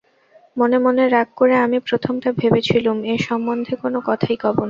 মনে মনে রাগ করে আমি প্রথমটা ভেবেছিলুম, এ সম্বন্ধে কোনো কথাই কব না।